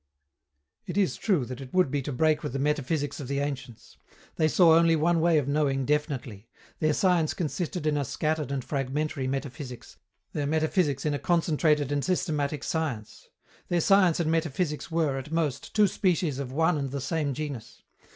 It is true that it would be to break with the metaphysics of the ancients. They saw only one way of knowing definitely. Their science consisted in a scattered and fragmentary metaphysics, their metaphysics in a concentrated and systematic science. Their science and metaphysics were, at most, two species of one and the same genus.